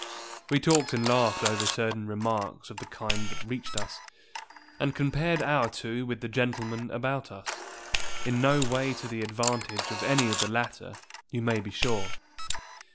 We talked and laughed over certain remarks of the kind that reached us, and compared our two with the gentlemen about us, in no way to the advantage of any of the latter, you may be sure.